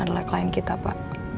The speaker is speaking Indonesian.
adalah klien kita pak